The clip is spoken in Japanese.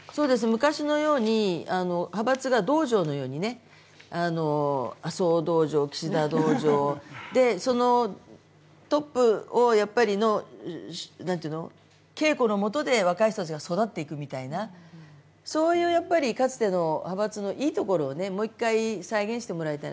昔のように派閥が道場のように麻生道場、岸田道場そのトップの稽古のもとで若い人たちが育っていくみたいなかつての派閥のいいところをもう一回再現してもらいたい。